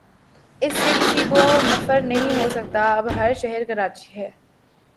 ان سے کسی کو مفر نہیں ہو سکتا اب ہر شہر کراچی ہے۔